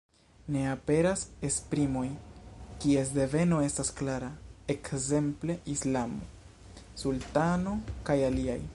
Ne aperas esprimoj, kies deveno estas klara, ekzemple islamo, sultano kaj aliaj.